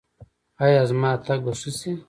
ایا زما تګ به ښه شي؟